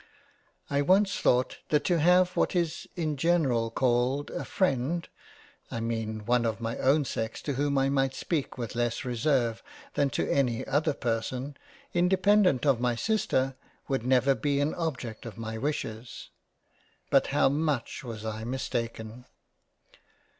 I once thought that to have what is in general called a Freind (I mean one of my own sex to whom I might speak with less reserve than to any other person) independant of my sister would never be an object of my wishes, but how much was I mistaken